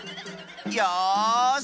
よし！